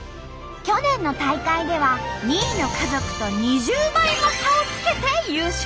去年の大会では２位の家族と２０倍も差をつけて優勝！